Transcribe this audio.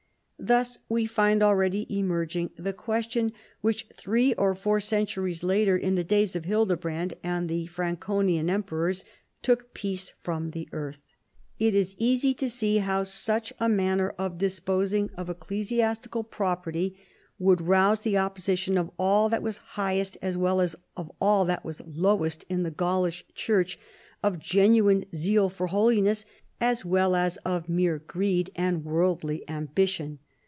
Thus, we find already emerging the question which three or four centuries later in the days of Iliklebrand and the Franconian Emperors, took peace from the earth. It is easy to see how such a manner of disposing of ecclesiastical property G2 CHARLEMAGNE. would rouse the opposition of all that was highest as well as of all that was lowest in the Gaulish Church, of genuine zeal for holiness as well as of mere greed and worldly ambition.